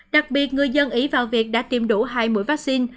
đặc biệt người dân ý vào việc đã tiêm đủ hai mũi vaccine